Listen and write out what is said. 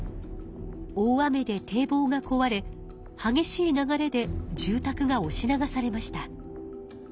大雨でてい防がこわれ激しい流れで住たくがおし流されました。